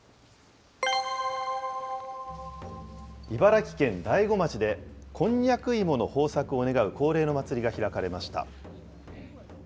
茨城県大子町で、こんにゃく芋の豊作を願う恒例の祭りが開かれました。